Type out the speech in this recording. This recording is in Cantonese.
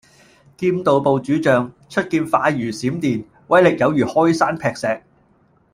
劍道部主將，出劍快如閃電，威力有如開山闢石